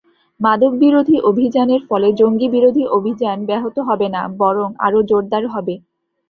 মাদকবিরোধী অভিযানের ফলে জঙ্গিবিরোধী অভিযান ব্যাহত হবে না বরং আরও জোরদার হবে।